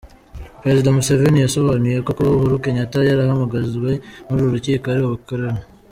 Perezida Museveni yasobanuye ko kuba uhuru Kenyatta yarahamagajwe n’uru rukiko ari ubukoroni.